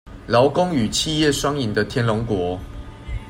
勞工與企業雙贏的天龍國